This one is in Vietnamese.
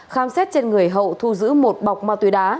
khám xét trên người hậu thu giữ một bọc ma túy đá